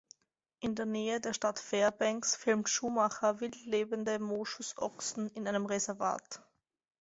In der Nähe der Stadt Fairbanks filmt Schuhmacher wildlebende Moschusochsen in einem Reservat.